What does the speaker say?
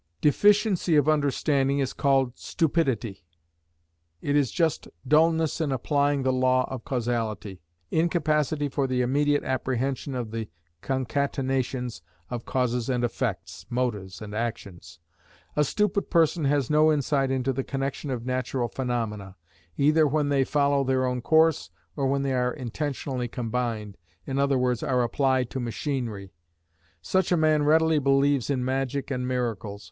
Deficiency of understanding is called stupidity. It is just dulness in applying the law of causality, incapacity for the immediate apprehension of the concatenations of causes and effects, motives and actions. A stupid person has no insight into the connection of natural phenomena, either when they follow their own course, or when they are intentionally combined, i.e., are applied to machinery. Such a man readily believes in magic and miracles.